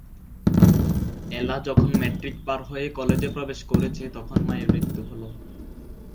এলা যখন ম্যাট্রিক পার হয়ে কলেজে প্রবেশ করেছে তখন মায়ের মৃত্যু হল।